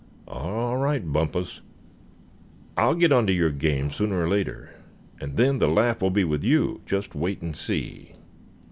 Oh! all right, Bumpus, I'll get on to your game sooner or later; and then the laugh will be with you, just wait and see."